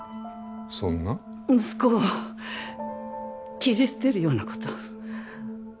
息子を切り捨てるようなこと。